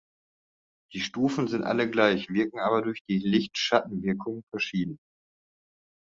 Die Stufen sind alle gleich, wirken aber durch die Licht-Schattenwirkungen verschieden.